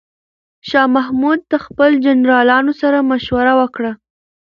شاه محمود د خپلو جنرالانو سره مشوره وکړه.